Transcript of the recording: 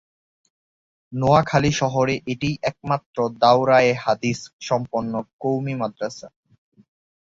নোয়াখালী শহরে এটিই একমাত্র দাওরায়ে হাদিস সম্পন্ন কওমি মাদ্রাসা।